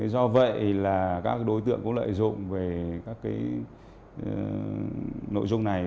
do vậy là các đối tượng có lợi dụng về các nội dung này